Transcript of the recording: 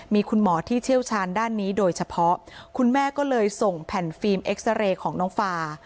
มีคุณหมอที่เชี่ยวชาญด้านนี้โดยเฉพาะคุณแม่ก็เลยส่งแผ่นฟิล์มเอ็กซาเรย์ของน้องฟา